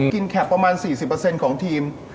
แคปประมาณ๔๐ของทีม